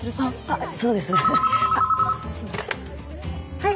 はい。